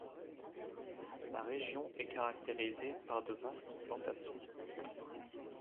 La région est caractérisée par de vastes plantations.